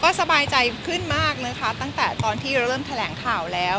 ก็สบายใจขึ้นมากนะคะตั้งแต่ตอนที่เริ่มแถลงข่าวแล้ว